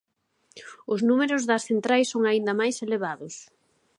Os números das centrais son aínda máis elevados.